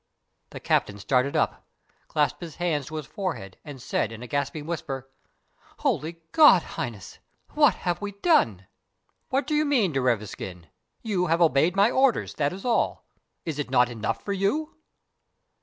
The captain started up, clasped his hands to his forehead, and said in a gasping whisper: "Holy God, Highness, what have we done?" "What do you mean, Derevskin? You have obeyed my orders; that is all. Is it not enough for you?"